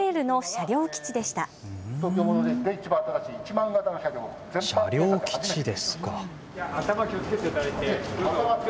車両基地ですか。